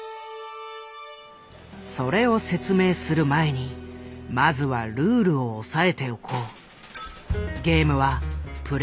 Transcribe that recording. それを説明する前にまずはルールを押さえておこう。